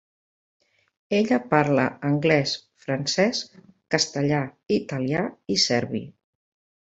Ella parla anglès, francès, castellà, italià i serbi.